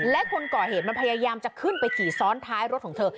และคนก่อเหตุมันพยายามจะขึ้นไปขี่ซ้อนท้ายรถของเธอ